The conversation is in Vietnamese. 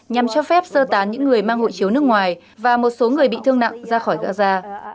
nhằm cho phép sơ tán những người mang hội chiếu nước ngoài và một số người bị thương nặng ra khỏi gaza